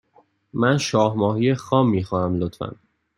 من شاه ماهی خام می خواهم، لطفا.